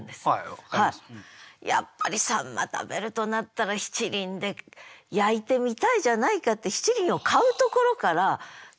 やっぱり秋刀魚食べるとなったら七輪で焼いてみたいじゃないかって七輪を買うところから季語を味わおうとする。